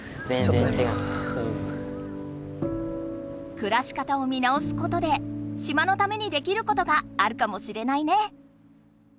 くらし方を見直すことで島のためにできることがあるかもしれないね。